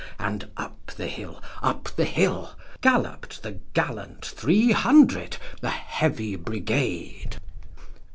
and up the hill, up the hill, Gallopt the gallant three hundred, the Heavy Brigade.